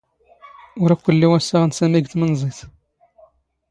ⵓⵔ ⴰⴽⴽⵯ ⵉⵍⵍⵉ ⵡⴰⵙⵙⴰⵖ ⵏ ⵙⴰⵎⵉ ⴳ ⵜⵎⵏⵥⵉⵜ.